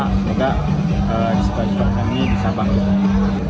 semoga disepak sepakan ini bisa bangkit